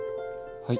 はい。